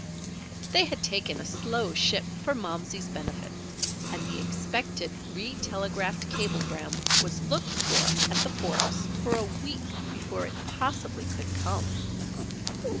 They had taken a slow ship for Momsey's benefit and the expected re telegraphed cablegram was looked for at the Forks for a week before it possibly could come.